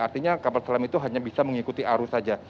artinya kapal selam itu hanya bisa mengikuti arus saja